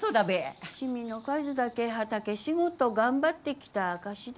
染みの数だけ畑仕事頑張ってきた証しだ。